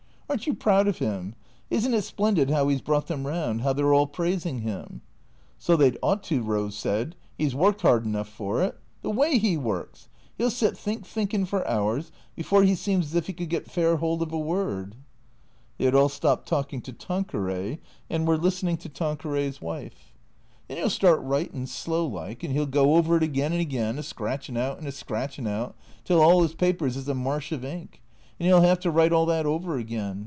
" Are n't you proud of him ? Is n't it splendid how he 's brought them round ? How they 're all praising him ?"" So they 'd ought to," Eose said. " 'E 's worked 'ard enough for it. The way 'e works ! He '11 sit think thinkin' for hours, before 'e seems as if 'e could get fair hold of a word " They had all stopped talking to Tanqueray and were listening to Tanqueray's wife. 300 THECREATOES " Then 'e '11 start writin', slow like ; and 'e '11 go over it again and again, a scratchin' out and a scratchin' out, till all 'is papers is a marsh of ink ; and 'e '11 'ave to write all that over again.